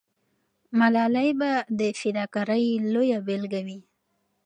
ملالۍ به د فداکارۍ لویه بیلګه وي.